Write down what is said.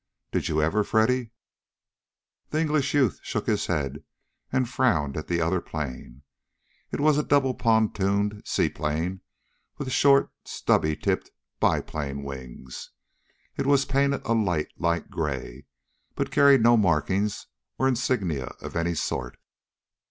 Did you ever, Freddy?" The English youth shook his head and frowned at the other plane. It was a double pontooned seaplane with short, stubby tipped bi plane wings. It was painted a light, light gray, but carried no markings or insignia of any sort.